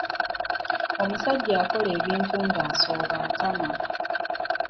Omusajja akola ebintu ng'asooba atama.